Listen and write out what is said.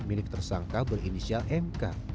milik tersangka berinisial mk